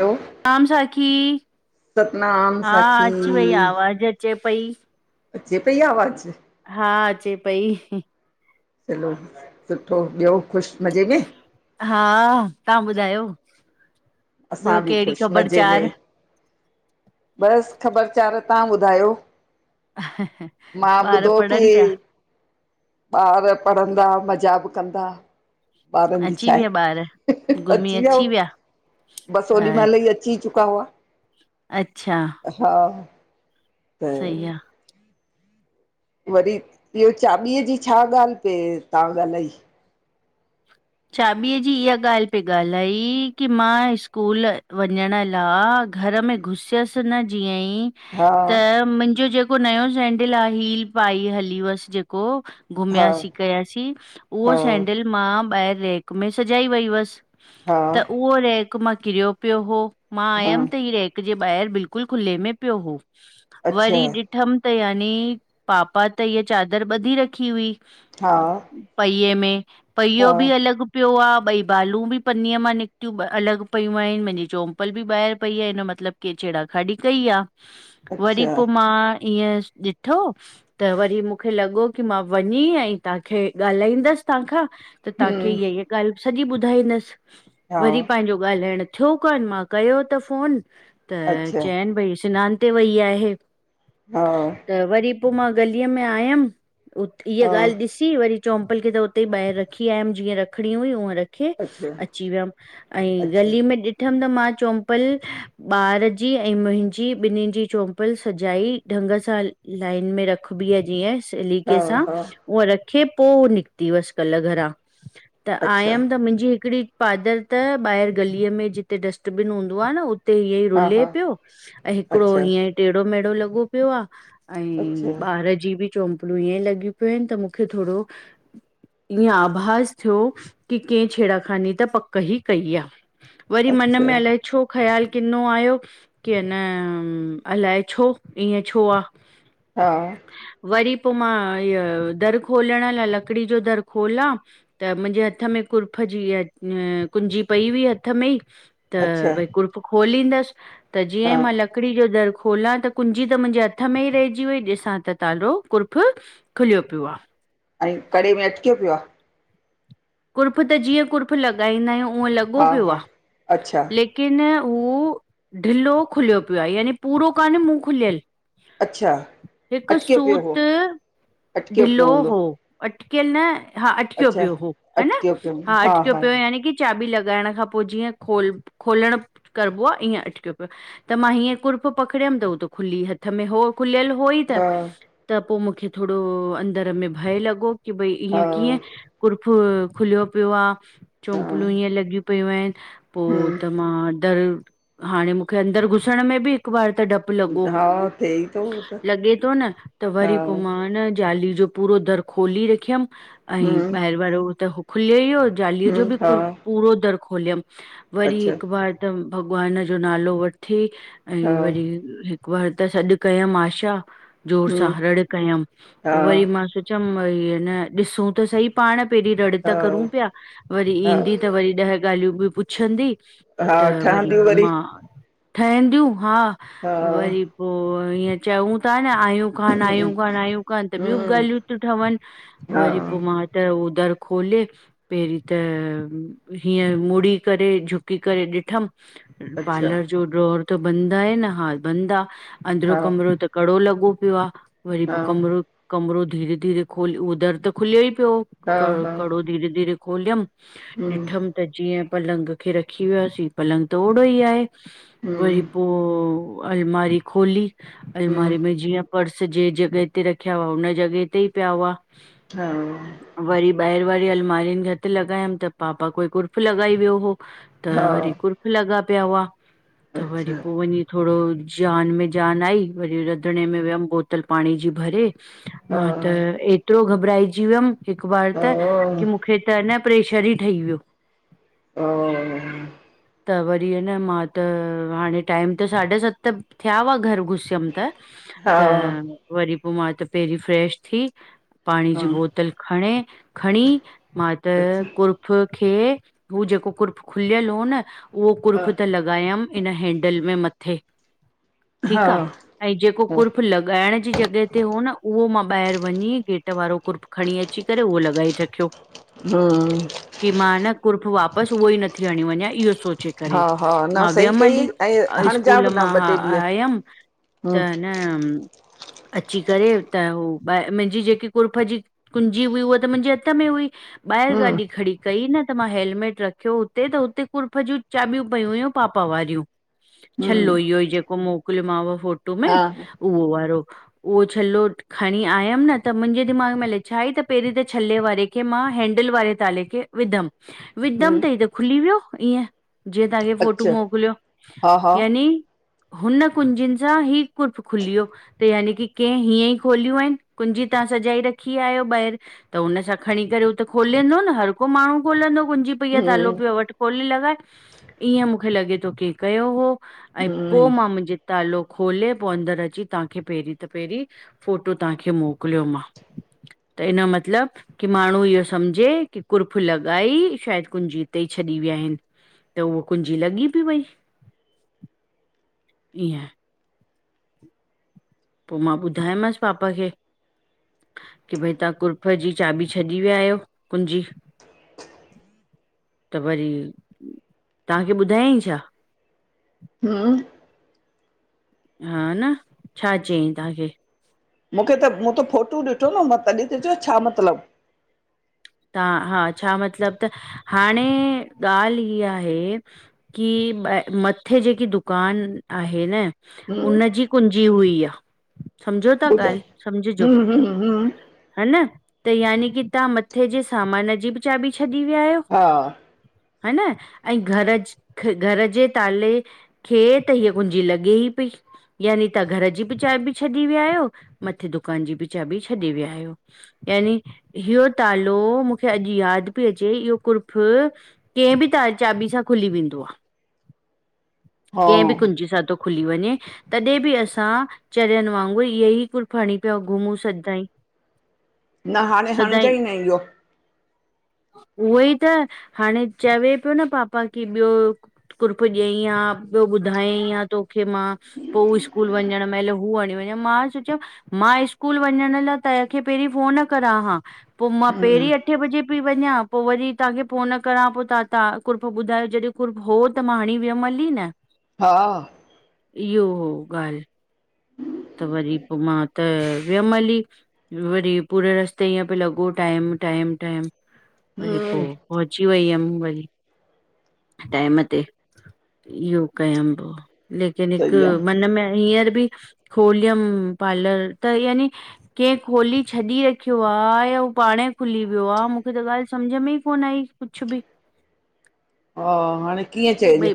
हलो सतनाम साखी सतनाम - हा साखी अची वई आवाज़ अचे पई। अचे पई आवाज़। हा अचे पई। चलो सुठो, ॿियो ख़ुशि, मज़े में? हा तहां ॿुधायो, असां ॿियो बि कहिड़ी ख़ुशि मज़े में ख़बरचार? बसि ख़बरचार तहां ॿुधायो, मां ॿार ॿुधो की पढ़नि पिया ॿार पढ़ंदा मज़ा बि कंदा। ॿारनि जी अची छा विया ॿार? हे, घुमी अची वियो हो, विया बसि ओॾी अ- महिल ई अची चु का हुवा अच्छा हा त सही आ। वरी इह्यो चॿीअ जी छा ॻाल्हि पेए तहां ॻाल्हाई चाॿीअ जी इह्या ॻाल्हि पए ॻाल्हाई की मां स्कूल वंञंण ला घर में घुसियसि न जीअं ई हा त मुंजो जेको नयो सेंडिल आ हील पाई हली हुवसि जेको हा घुमियासीं कयासीं, उहो हा सैंडिल मां ॿाहिरि रेक में सजाई वई हुअसि‌। हा। उहो रेक मां किरियो पियो हो, मां हा हा आयमि त हीय रेक जे ॿाहिरि बिल्कुलु खुले में पियो हो, अच्छा वरी ॾि ॾिठमि त यानी, पापा त हीय चादर ॿधी रखी हुई। हा। पहिए में, पहियो हा बि अलॻि पियो आ ॿई बालूं बि पन्नीअ मां निकितियूं अलॻि पियूं आहिनि मुंहिंजी चोम्पल बि ॿाहिरि पई, आ हिनयो मतिलबु केहे छेड़ा खाड़ी कई आ। [inaudible] वरी पो मां ईंयं ॾिठो त वरी मूखे लगो की मां वञी अई तहांखे गालाईंदस तहांखां त तांखे हम्म इय-इय गाल सॼी बुधाईंदस, हा वरी पान्ज़ो ॻालाण थ्यो कान मां कयो त फ़ोन, त अच्छा च़यन भई सिनान ते वई आहे। हा त वरी पो मां गलीअ में आयम, उत् इय हा ॻाल ॾिसी वरी चोम्पल खे त हुते ई बाहेर रखी आयम जीअं रखणी हुई उअ रख खे अच्छा अची वयम, एई अच्छा गली में ॾिठम त मां चोम्पल ॿार जी ऐं मुहिंजी बिनिन जी चोम्पल सजाई, ढंग सां हल लाइन में रखबी आ जिअं हा सलीके सां, हा उअ रखे पो हो निकती वस कल घरां। त अच्छा आयम त मुन्ज़ी हिकड़ी पाद़र त ॿाहेर गलीअ में जीते डस्टबीन हूंदो आ न उ उते इअं ई हा रुले हा पयो, ऐं हिकड़ो अच्छा हीअं टेड़ो-मेढ़ो लगो पयो आ। अई अच्छा ॿार जी बि चोम्पलूं इअं लगी पयूं इन त मूखे थोरो ईय आ भास थ्यो की कहिं छेड़ाखानी त पक्क ई कई आ‌। वरी मन अच्छा में अलाए छो ख़्याल किंनो आयो की, अन अलाए छो ईअं छो आ। हां वरी पो मां इअ दर खोलण ला लकड़ी जो दर खोलां त मुन्ज़े हथ में कुर्फ़ जी इअ कुंज़ी पई हुई हथ में ई त अच्छा भई कुर्फ़ खोलींदस त जीअं ई हा मां ल लकड़ी जो दर खोलां त कुंजी त मुन्ज़े हथ में ई रहे जी वई ॾिसां त तालो कुर्फ़ ख़ुलयो प्यो आ। ऐं कड़े में अटक्यो प्यो आ। कुर्फ़ त जीअं कुर्फ़ लॻाईंदा आयूं उअ लॻो हा पयो आ, हा अच्छा ले लेकिन ऊ ढिल्लो ख़ुलयो पयो आ, याने पूरो काने मूं ख़ुलयल। अच्छा हिक अटकियो पियो हो सूत, अटकियो पियो ढीलों हूंदो हो। अटकयल न, हा अटक्यो अच्छा प्यो हो हन्! अटकियो पियो हूंदो हा अटक्यो प्यो हो याने की चाॿी लगायण खां पो जीअं खोल, खोलण करबो आ ईअं अटक्यों प्यो आ। त मां हीअं कुर्फ़ पकड़यम त हो त ख़ुली हथ में हो। ख़ुलयल होई त, हा त पो मूखे थोड़ो अंदर में भय लगो कि भई हा इअ कीअं, कुर्फ़ खुलयो प्यो आ, हा चोम्पलूूं इअ लॻियूं प पयूं आऐन, पो त हम्म मां डर, हाणे मूखे अंदर घुसण में बि हिक़ बार त डप प् लगो, हा थिए ई थो हो त लगे तो न! त हा वरी पो मां जाली जो पूरो दर खोली रखयम, ऐं हम्म ॿाहेर वारो त हो खुलयो ई हो ज़ालीय हम्म जो बि हा पूर, पूरो दर ख़ोलयम वरी अच्छा हिक़ बार त भगवान जो नालो वठी हा ऐं वरी हिक़ बार त सॾ कयम आशा, ज़ोर सां हम्म रड़ कयम। त हा वइ मां सोचम, ऐं अन ॾिसूं त सई पाण पेरीं रड़ त हा करूं प्या, वरी हा ईंदी त वरी ॾह ॻालयूं बि पुछंदी। हा त वरी ठहंदियूं पो मां ठहींदूं हा, हा वरी पो ईअं चऊं ता न आयूं कान आयूं, कान आयूं कान त ॿयूं हम्म ॻालयूं ती ठवन हा वरी पो मां त ओ दर खोले पेहऱी त हीअ मूड़ी करे, झुकी करे ॾिठम। अच्छा पार्लर जो डॉर त बंदि आहे न, हा बंदि आ, अंदरो हा कमरो त कॾो लॻो पियो आ, वरी हा पोइ कमिरो कमिरो धीरे-धीरे खोल उह दर त खुलियो ई पियो। हा क हा कॾो धीरे-धीरे खोलियमि, हम्म ॾिठम त जीअं पलंग खे रखी वयासीं, पलंग त ओड़ो ई आहे। वरी हम्म पोइ अलमारी खोली, हम्म अलमारी में जीअं पर्स जे जॻह ते रखिया हुआ, हुन जॻह ते ई पिया हुआ। हा। वरी ॿाहिरि वारी अल्मारिनि खे हथ लॻायमि, त पापा कोई कुर्फ़ लगॻाई वियो हो। त हा वरी कुर्फ लॻा पिया हुआ, त वरी अच्छा पोइ वञी थोडो जान में जान आई, वरी रंधिणे में वियमि बोतल पाणी जी भरे हा मां त एतिरो घबराएजी वियमि, हिकु बार ओ त की, मूंखे त न प्रेशर ई ठही वयो। [unintelligible] त वरी ह न मां त, हाणे टाइम त साढे सत, थिया हुआ घर घुसी थियमि त, हा त वरी पोइ मां त पहिरीं फ्रेश थी पाणी हा जी बोतल खणे खणी मां त अच्छा कुरक कुफ खे, हू जेको कुर्फ खुलियल हो न, उहो हा कुर्फ त लॻायमि इन हैंडल में मथे हा ठीकु आ, ऐं जेको कुर्फ लॻाइण जी जॻह उते हुओ न, उहो मां ॿाहिरि वञी, गेट वारो कुर्फ खणी अची करे उहो लॻाए रखियो। हा। की मां न, कुर्फ वापसि उहो ई नथी हणी वञा इहो सोचे करे, हा हा न मां सही वियमि हली, कई ऐं इस्कूल हणिजाब न मां ॿ हा टे ॾींहं आयमि त हम्म न अची करे, त उ ॿ मुंहिंजी जेकी कुर्फ जी कुंॼी हुई उह त मुंहिंजे हथ में हुई, ॿाहिरि हम्म गाॾी खड़ी कई न त मां हेलमेट रखियो हुते, त हुते कुर्फ जी चाबियूं पई हुयूं पापा वारियूं हम्म छल्लो इहो, जेको मोकिलियोमाव फोटो में हा उहो वारो, उहो छल्लो खणी आयमि न त मुंहिंजे दिमाग़ में ल छा ई त पहिरीं त छल्ले वारे खे मां हैंडल वारे ताले खे विधमि, विधमि हम्म त खुली वियो ईअं, जीअं तव्हांखे फोटू अच्छा मोकिलियो, हा हा यानी हुन कुंजिनि सां ही कुर्फ खुली वयो। त यानि की के हीअं ई खोलियूं आहिन, कुंजी तां सॼाई रखी खी आयो ॿाहिरि, त हुन सां खणी करे उह त खोलंदो न, हर को माण्हू खोलंदो कुंजी भैया तालो हम्म पयो वटि खोले लॻाए, ईअं मूंखे लॻे थो के कयो हो। ऐं पोइ हम्म मां मुंहिंजे तालो खोले पोइ अंदरि अची, तव्हांखे पहिरीं त पहिरीं, फोटो तव्हांखे मोकिलियो मां। त इन यो मतिलब कि माण्हू इह्यो सम्झे की कुर्फु लॻाई शायदि कुन्ॼी इते ई छॾी विया हिन। त उह कुन्जी लॻी ॿि वई, ईअं [inaudible] पो मां ॿुधायोमांसि पापा खे। की भई तहां कुर्फ ॼी चाबी छॾी विया आहियो, कुंॼी। त वरी तहांखे ॿुधायंई छा। हुं। हा न, छा चयईं तहांखे? मूंखे त मूं त फोटू ॾिठो न मां तॾी त चयो छा मतिलबु, ता हा छा मतिलब त हाणें ॻाल्हि ईह्या हे की ॿ मत्थे ॼेकी दुकान आहे न, उन्हजी कुंॼी हुई इह्या, सम्झो ता ॿुध ॻाल्हि, सम्झॼो हम्म हम्म हम्म हा न त यानि की तहां मत्थे ॼे सामान ॼी ॿि चाॿी छॾी वियायो। हा हा न, ऐं घर ज् ख् घर ॼे ताले खे त हीअ कुुंॼी लॻेई पई। यानी तहां घर ॼी ॿि चाॿी छॾी वियायो, मथे दुकान ॼी ॿि चाॿी छॾे वियायो। यानी इह्यो तालो, मुखे अॼु यादि प्यो अचे इह्यो कुर्फु, केंहिं ॿि त चाॿी सां खुली वेंदो आ हा केंहिं ॿि कुंॼी सां तो खुली वञें। तॾहिं ॿि असां चरियनि वांगुरु ईह्ये ही कुर्फु हणीं पिया घुमूं सदाईं, न हांणें सदाईं हणिजंई न इह्यो। उहोई त हांणें चवे पियो न पापा की ॿियो कुर्फु ॾियईं आं, ॿियो ॿुधायंई आं, तोखे मां। पो स्कूल वंञंणु महिल हू हणीं वंञेआ, मां सोचियम् मां स्कूल वंञंण लाए ताहिंखे पहिरीं फ़ोन करां हां, पो मां पहिरीं अठे ॿॼे पी वंञां पो वरी तहांखे फ़ोन करां, पो तहां -तहां कुर्फ ॿुधायो जॾहिं कुर्फ हो त मां हंणीं वियमि हली न। हा। इह्यो हो ॻाल्हि, त वरी पो मां त वियमि हली। वरी पूरे रस्ते ईअं पियो लॻो, टाइम- टाइम- टाइम। वरी पो हम्म पहुंची वई हम वरी, टाइम ते इह्यो, कयम पो लेकिन हिकु सही आहे मन में हींअर ॿि खोलियम पार्लर त यानी, केंह खोली छॾी रखियो आ या हु पांणंई खुली वियो आ, मुखे त ॻाल्हि सम्झ में ई कोन आई। कुछु ॿि, हा हाणे कीअं चइजे ॿई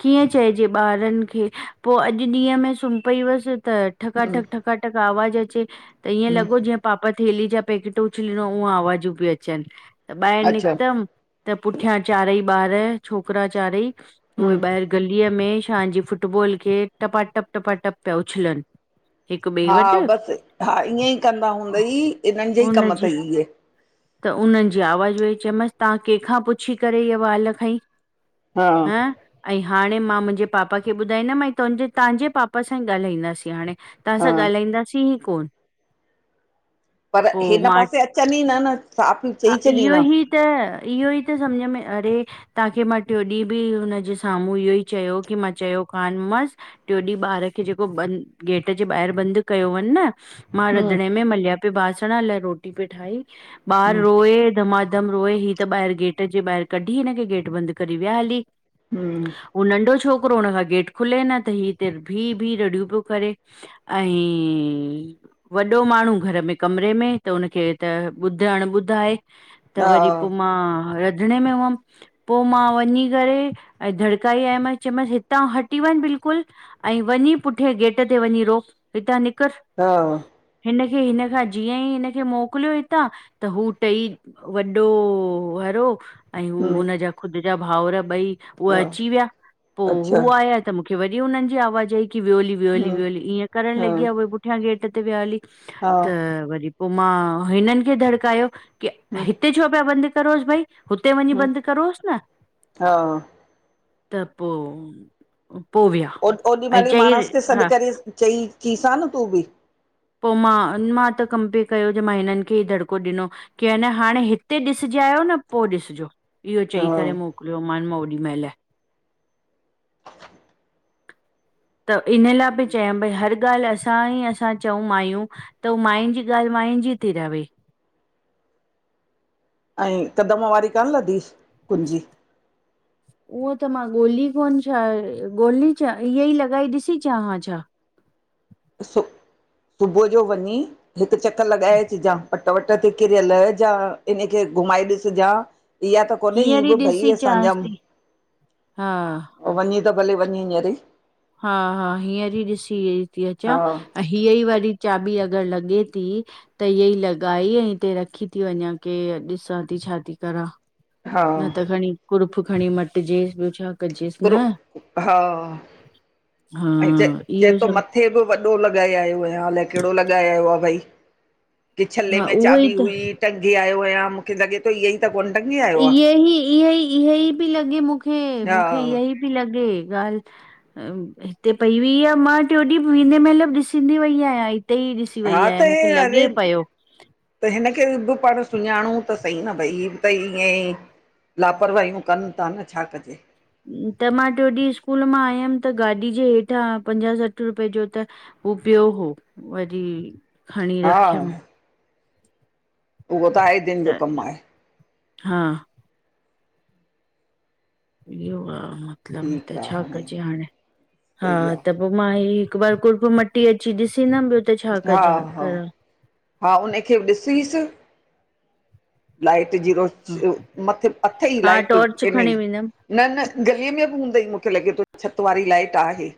कीअं चइॼे ॿारनि खे पो अॼु ॾींहं में सुम्ह पई हुअसि, त ठका ठक ठक ठका ठक आवाज़ अचे त, ईअं हम्म लॻो ॼीअं पापा थेली ॼा पैकेट उछलिनो ऊहं आवाजूं प्यूं अचनि, त ॿाहिरि अच्छा निकितमि त पुठियां चारई ॿार, छोकिरा चारई, उहे हम्म ॿाहिरि गलीअ में शान ॼी फुटबॉल खे टपा टप, टपा टप पिया उछलनि। हिक ॿिए हा वटि ॿसि हा ईअंई कंदा हूंदई, इन्हनि ॼे ई कम हुनजी तई इहे। त उन्हनि ॼी आवाॼु वेईचे चयमांसि तहां कंहिंखां पुछी करे इह वाल् खईं? हा हं ऐं हांणें मां मुंजे पापा खे ॿुधाईंदमिएं ई तुन्जे तांजे पापा सांइ ॻाल्हाईंदासीं हांणें, हा तहांसां ॻाल्हाईंदासीं ही कोन। पर पोइ हिन मां पासे अचनि ई न -न साफ़ हा चई इहो छॾीन हां, ई त इह्यो ई त सम्झ में अरे तव्हांखे मां टियो ॾींहं बि हुनजे साम्हूं इहो ई चयो की मां चयो कानि मांसि, टियों ॾींहुं ॿार खे जेको बंदि गेट जे ॿाहिरि बंदि कयो हुनि न मां हम्म रंधिणे में मलिया पे बासण अलाए रोटी पे ठाई, ॿार हम्म रोए धमाक हिकदमि रोए, ही त ॿाहिरि गेट जे ॿाहिरि कढी हिनखे गेट बंद करे विया हली। हम्म। हू नंढो छोकिरो, हुन खां गेट खुले न त ही हिते भी-भी रड़ियूं पियो करे। ऐं। वॾो माण्हू घर में कमरे में त हुनखे त ॿुधण ॿुधाए त वरी पो हा मां रंधणे में हुअम। पो मां वञी करे दधड़काई आई मांस, चईमांस हितां हटी वञ बिल्कुल। ऐं वञी पुठियां गेट ते वञी रो, हितां निकर। हा। हिनखे हिनखां जीअं ई हिनखे मोकिलियो हितां त हू टई वॾो वारो ऐं हू हम्म हुनजा ख़ुद जा भाउर ॿई, हूहे हा अची व्या पो अच्छा हू आया त मूंखे वरी हुनन आवाज आई कि वियोहली, वियोहली, हम्म वियोहली, ईअं करण हा लॻी, उई पुठियां गेट ते विहो हली हा त वरी पो मां हिनन खे धड़कायो। कि हम्म हिते छो पया बंद करोस भाई, हुते वञी हम्म बंद करोस न। हा त पो, पो वया। ओॾीमल ई माणस खे सॾ करे चई चसां न तूं ॿि। पो मां मां त कंपेर कयो जे मां हिनन खे ही दड़को ॾिनो। कि अञा, हाणे हिते ॾिसजी आयो न, पो ॾिसजो। इहो हा चई करे मोकलियोमान मां ओॾीमैल। त इन लाइ बि चय भई हर ॻाल असां ई असां चऊं माइयूं, त उ माइन जी ॻाल, माइन जी ती रवे। ऐं कदमवारी कान लधी कुंजी? उहो त मां ॻोल्ही कोन, छा ॻोल्हे अचां, इअ ई लॻाई ॾिसी अचां हां छा? सु सुबुह जो वञी हिक चकर लॻाए अचजां। पट वट ते किरियल हजा, इनखे घुमाए ॾिसजां। इहा त कोन्हे, हि हींअर ई ॿ भई ॾिसी चांस असांजाम। थी हा वञी त भले वञ हींअर ई। हा हा हींअर ई ॾिसी ती अचां हा ए हीअ ई वारी चाबी अगर लॻे ती त इअ ई लॻाई ऐं हिते रखी थी वञा, के ॾिसां थी, छा थी करां। हा न त खणी, कुरफ खणी मटजेस, ब्यो छा। कजेसि कुरु, न हा, हा ऐं च चए इहो तो सभु मथ थे ॿि वॾो लॻाए आयो आयां, अलाए केड़ो लॻाए आयो आ भई। कि छल्ले हा में उहो ई चाबी त हुई, टंगी आयो आयां, मूंखे लॻे तो ईअ ई त कोन टंगी आ ईए ही, इए ही, इए ही पी लॻे मूंखे, आहे हा मूंखे इहा ई पी लॻे ॻाल। हिते पई हुई आ, मां टियो ॾींहं वेंदे मैंल ॾिसंदी वई आयां हिते ई डीस अची वई हा आहे त हे मूंखे लॻे अरे पयो। त हिन खे ॿि पाण सुञाणूं त सही न भई, हि ॿ त ईअं ई लापरवाहियूं कन ता न, छा कजे। त मां टियों ॾींह स्कूल मां आयम त गाॾी जे हेठां पंजाह सठ रुपए जो त हु प्यो हो, वरी खणी हा रख्यम। उहो त आहे दिन जो त कम आहे। हा। इहो आ मतलब, त ठीकु आहे छा कजे हाणे, हा सही आहे त पो मां हे हिक बार कुरफ मटी अची ॾिसींदम, ब्यो त छा हा कजा हा कर। हा हुनखे ब ॾिसीस। लाइट, जीरो हा मथे अथ ई हा लाइट टॉर्च इने खणी वेंदमि न, न गलीअ में बि हूंदई मूंखे लॻे थो छति वारी लाइट आहे।